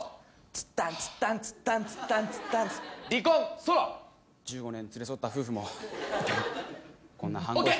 『ツッタンツッタンツッタンツッタンツッタン』」「離婚ソロ」「１５年連れ添った夫婦もこんなはんこ１つで」